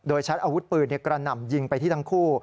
ชัดอาวุธปืนกระหน่ำยิงไปที่ทั้งคู่